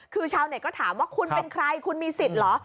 คือชาวเน็ตก็ถามว่าคุณเป็นใครคุณมีสิทธิ์เหรอ